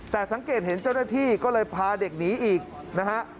แต่สังเกตเห็นเจ้าหน้าที่ก็เลยพาเด็กหนีอีกนะฮะ